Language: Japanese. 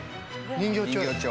人形町。